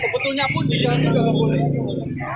sebetulnya pun di jalan petamburan tidak boleh